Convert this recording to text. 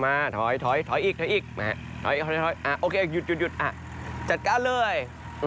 มาถอยถอยอีกถอยอีกถอยโอเคหยุดจัดการเลย